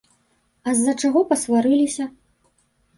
А з-за чаго пасварыліся?